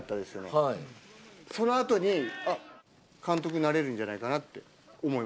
そのあとに監督になれるんじゃないかなって思いました。